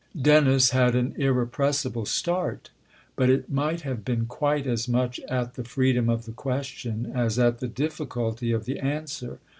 Dennis had an irrepressible start; but it might have been quite as much at the freedom of the question as at the difficulty of the answer.